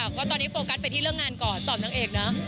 เพราะตอนนี้โฟกัสไปที่เรื่องงานก่อนตอบนางเอกนะ